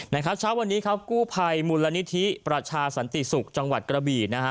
เช้าวันนี้ครับกู้ภัยมูลนิธิประชาสันติศุกร์จังหวัดกระบี่นะฮะ